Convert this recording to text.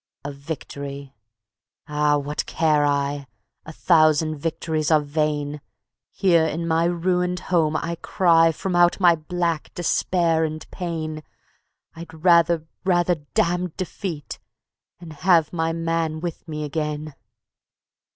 A victory. ... Ah! what care I? A thousand victories are vain. Here in my ruined home I cry From out my black despair and pain, I'd rather, rather damned defeat, And have my man with me again.